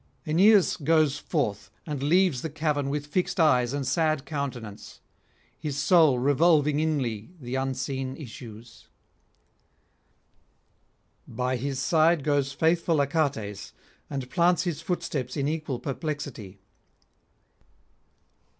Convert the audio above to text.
Aeneas goes forth, and leaves the cavern with fixed eyes and sad countenance, his soul revolving inly the unseen [158 194]issues. By his side goes faithful Achates, and plants his footsteps in equal perplexity.